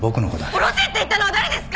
おろせって言ったのは誰ですか！